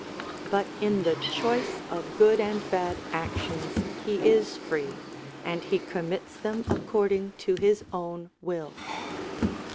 But in the choice of good and bad actions he is free, and he commits them according to his own will.